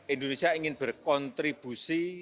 indonesia ingin berkontribusi